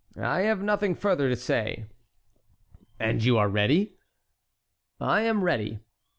"I have nothing further to say." "And you are ready?" "I am ready."